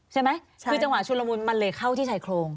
ใช่ไหมคือจังหวะชุนละมุนมันเลยเข้าที่ชายโครง